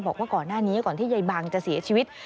บอกว่าก่อนหน้านี้ก่อนที่ยายบังจะเสียชีวิต